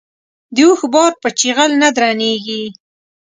د اوښ بار په چيغل نه درنېږي.